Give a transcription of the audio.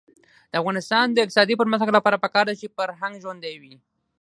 د افغانستان د اقتصادي پرمختګ لپاره پکار ده چې فرهنګ ژوندی وي.